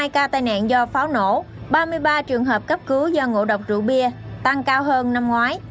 hai mươi ca tai nạn do pháo nổ ba mươi ba trường hợp cấp cứu do ngộ độc rượu bia tăng cao hơn năm ngoái